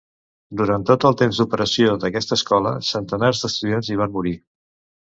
Durant tot el temps d'operació d'aquesta escola, centenars d'estudiants hi van morir.